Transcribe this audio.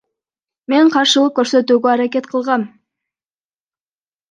Мен каршылык көрсөтүүгө аракет кылгам.